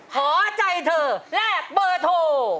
ขอใจเธอแลกเบอร์โทร